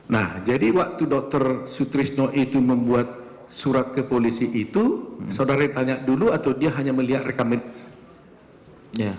nah jadi waktu dokter sutrisno itu membuat surat ke polisi itu saudara tanya dulu atau dia hanya melihat rekam medisnya